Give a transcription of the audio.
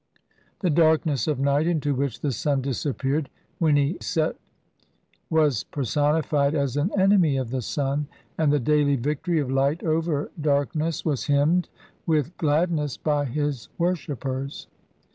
The darkness of night into which the sun disappeared when he set was personi fied as an enemy of the sun, and the daily victory of light over darkness was hymned with gladness by his worshippers.